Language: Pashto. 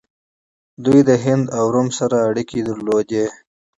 دوی د هند او روم سره اړیکې درلودې